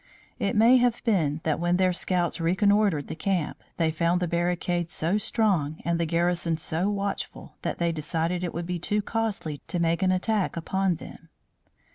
It may have been that when their scouts reconnoitred the camp, they found the barricades so strong and the garrison so watchful that they decided it would be too costly to make an attack upon them.